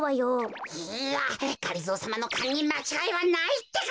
いいやがりぞーさまのかんにまちがいはないってか！